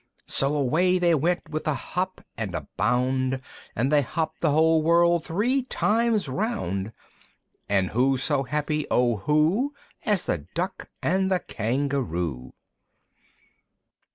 So away they went with a hop and a bound, And they hopped the whole world three times round; And who so happy, O who, As the Duck and the Kangaroo?